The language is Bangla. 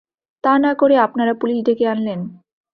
তা না-করে আপনারা পুলিশ ডেকে আনলেন।